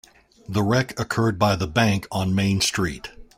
The wreck occurred by the bank on Main Street.